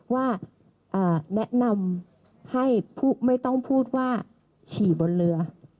ว่าแนะนำให้ไม่ต้องพูดว่าฉี่บนเรือ